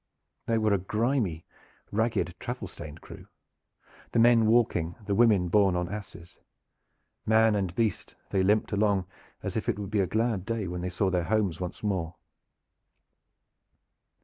They were a grimy, ragged, travel stained crew, the men walking, the women borne on asses. Man and beast, they limped along as if it would be a glad day when they saw their homes once more.